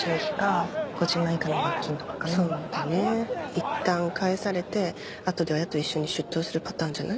いったん帰されて後で親と一緒に出頭するパターンじゃない？